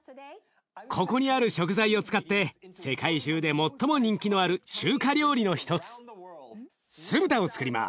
ここにある食材を使って世界中で最も人気のある中華料理の一つ酢豚をつくります。